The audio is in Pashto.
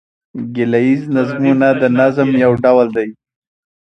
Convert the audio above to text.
ګيله ييز نظمونه د نظم یو ډول دﺉ.